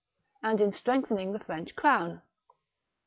and in strengthening the French crown.